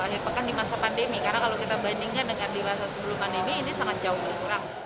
akhir pekan di masa pandemi karena kalau kita bandingkan dengan di masa sebelum pandemi ini sangat jauh berkurang